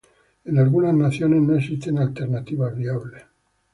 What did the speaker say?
En algunas naciones no existen alternativas viables.